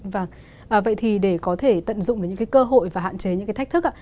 vâng vậy thì để có thể tận dụng những cái cơ hội và hạn chế những cái thách thức